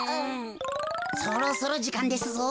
そろそろじかんですぞ。